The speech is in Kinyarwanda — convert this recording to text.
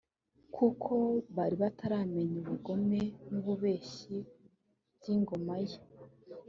kuko bari bataramenya ubugome n’ububeshyi by’ingoma ye